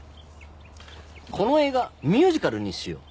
この映画ミュージカルにしよう！